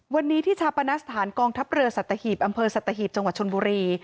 วันนี้ที่ชาปณสถานกองทัพเรือสัตหีบอำเภอสัตหีบจังหวัดชนบุรี